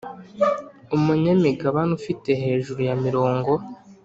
umunyamigabane ufite hejuru ya mirongo